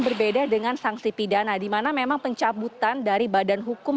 berbeda dengan sanksi pidana di mana memang pencabutan dari badan hukum